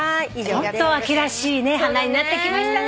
ホント秋らしい花になってきましたね。